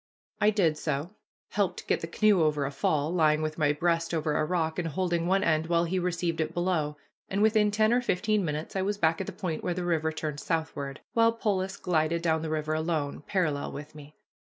I did so helped get the canoe over a fall, lying with my breast over a rock, and holding one end while he received it below and within ten or fifteen minutes I was back at the point where the river turned southward, while Polis glided down the river alone, parallel with me.